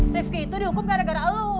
rifki tuh dihukum gara gara lo